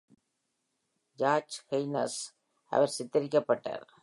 George கெய்ன்ஸால் அவர் சித்தரிக்கப்பட்டார்.